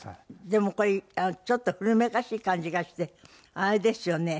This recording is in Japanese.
でもこれちょっと古めかしい感じがしてあれですよね。